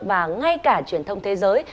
và ngay cả truyền thông thế giới